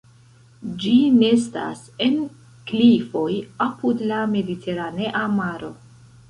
Ĝi nestas en klifoj apud la mediteranea maro.